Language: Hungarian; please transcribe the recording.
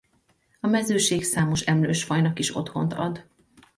A Mezőség számos emlősfajnak is otthont ad.